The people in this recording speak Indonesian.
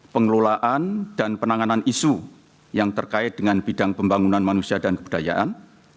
pengelolaan dan penanganan isu yang terkait dengan bidang pembangunan manusia dan kebudayaan